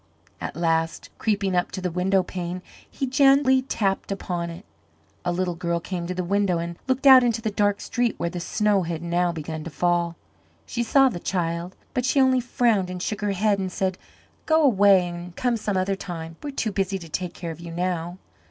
At last creeping up to the window pane, he gently tapped upon it. A little girl came to the window and looked out into the dark street where the snow had now begun to fall. She saw the child, but she only frowned and shook her head and said, "Go away and come some other time. We are too busy to take care of you now."